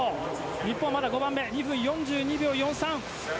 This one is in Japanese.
日本はまだ５番目２分４２秒４３。